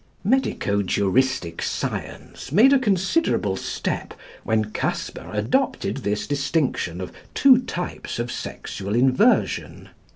Medico juristic science made a considerable step when Casper adopted this distinction of two types of sexual inversion.